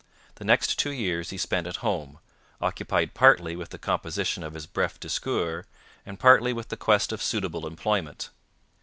The next two years he spent at home, occupied partly with the composition of his Bref Discours and partly with the quest of suitable employment.